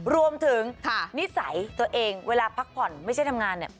รวมถึงนิสัยตัวเองเวลาพักผ่อนไม่ใช่ทำงานเนี่ย